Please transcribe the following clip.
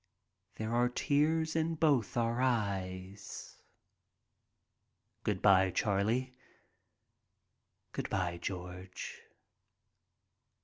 There are tears in both our eyes. "Good by, Charlie." "Good by, George."